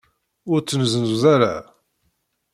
Ur ttneẓnuẓ ara.